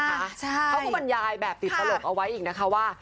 เขาก็บรรยายแบบติดตลกเอาไว้อีกนะคะว่า